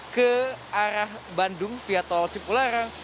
ke arah bandung via tol cipularang